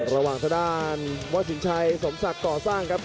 ทางด้านวัดสินชัยสมศักดิ์ก่อสร้างครับ